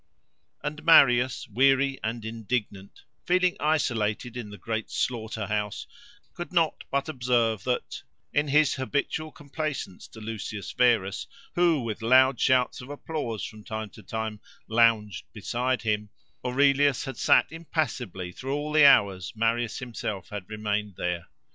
And Marius, weary and indignant, feeling isolated in the great slaughter house, could not but observe that, in his habitual complaisance to Lucius Verus, who, with loud shouts of applause from time to time, lounged beside him, Aurelius had sat impassibly through all the hours Marius himself had remained there.